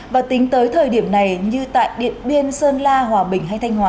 và tính tới thời điểm này như tại điện biên sơn la hòa bình hay thanh hóa